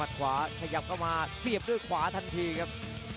โอ้โหต้นยกไปไล่เขาก่อนครับ